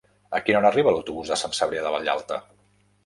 A quina hora arriba l'autobús de Sant Cebrià de Vallalta?